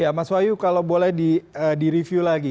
ya mas wayu kalau boleh di review lagi